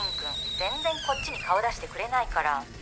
全然こっちに顔出してくれないから」